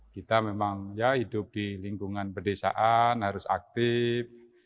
kita memang ya hidup di lingkungan pedesaan harus aktif